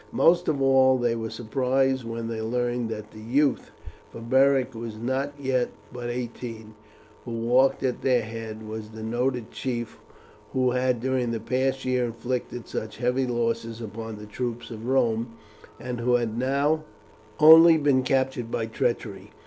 Most of all they were surprised when they learned that the youth for Beric was as yet but eighteen who walked at their head was the noted chief, who had during the past year inflicted such heavy losses upon the troops of Rome, and who had now only been captured by treachery.